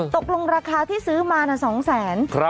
ตกลงราคาที่ซื้อมาน่ะ๒๐๐๐๐๐บาท